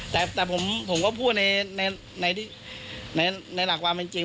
แต่ผมก็พูดในหลักความเป็นจริง